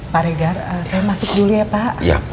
paregar saya masuk dulu ya pak